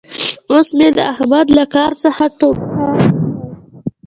اوس مې د احمد له کار څخه ټوکار وخوړ.